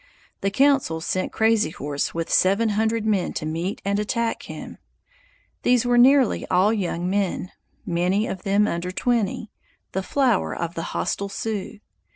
The council sent Crazy Horse with seven hundred men to meet and attack him. These were nearly all young men, many of them under twenty, the flower of the hostile Sioux.